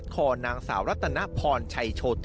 ของเงินแฟน